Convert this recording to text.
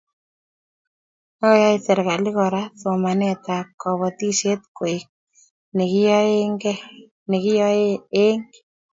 Akoyai serkali Kora somanetab kobotisiet koek nekiyaei eng